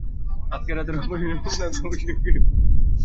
আজকের রাতের অপারেশনের মূল লক্ষ্য হলো ওকোৎসুকে সবার থেকে আলাদা ও অরক্ষিত করা।